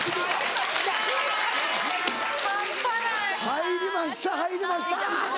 入りました入りました！